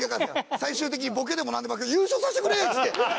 最終的にボケでもなんでもなく「優勝させてくれ！」っつって。